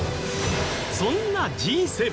そんなＧ７